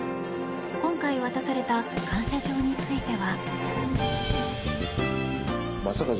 今回渡された感謝状については。